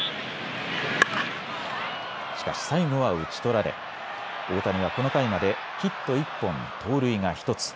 しかし最後は打ち取られ、大谷はこの回までヒット１本、盗塁が１つ。